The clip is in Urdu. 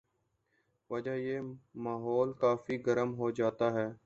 وجہ سے ماحول کافی گرم ہوجاتا ہے